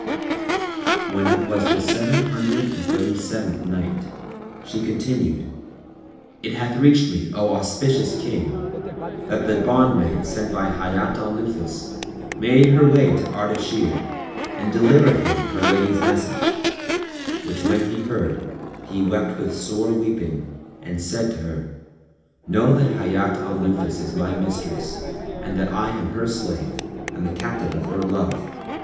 When it was the Seven Hundred and Thirty seventh Night, She continued, It hath reached me, O auspicious King, that the bondmaid sent by Hayat al Nufus made her way to Ardashir and delivered him her lady's message, which when he heard, he wept with sore weeping and said to her, "Know that Hayat al Nufus is my mistress and that I am her slave and the captive of her love.